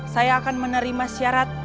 saya akan menerima syarat